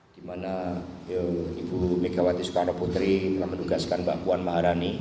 di mana ibu megawati soekarno putri telah menugaskan mbak puan maharani